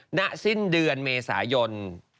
หน้าสิ้นเดือนเมษายน